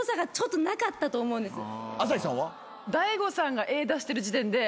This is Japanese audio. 朝日さんは？